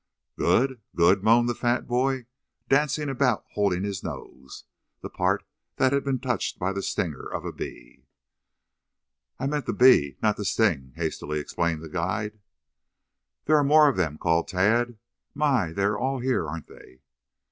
"Good? Good?" moaned the fat boy, dancing about holding his nose, the part that had been touched by the stinger of a bee. "I meant the bee, not the sting," hastily explained the guide. "There are more of them," called Tad. "My, they're all here, aren't they?"